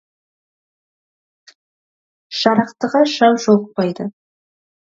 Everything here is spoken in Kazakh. Жарақтыға жау жолықпайды.